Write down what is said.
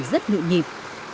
rất nụ nhịp